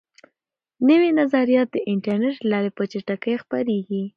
نوي نظریات د انټرنیټ له لارې په چټکۍ خپریږي.